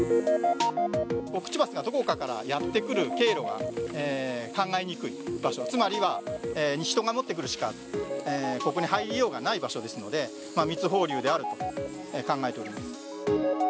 コクチバスがどこかからやって来る経路が考えにくい場所、つまりは、人が持ってくるしか、ここに入りようがない場所ですので、密放流であると考えております。